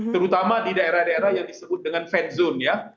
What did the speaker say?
terutama di daerah daerah yang disebut dengan fan zone ya